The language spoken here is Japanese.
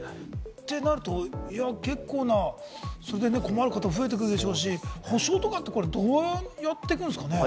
てなると、結構困る方が増えてくるでしょうし、補償とかってどうやってくんですかね？